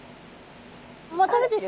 もう食べてる。